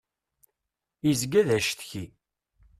Izga d acetki.